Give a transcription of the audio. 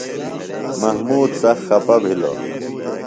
محمود سخت خپہ بِھلوۡ۔